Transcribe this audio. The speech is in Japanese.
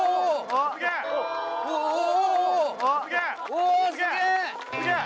おすげぇ！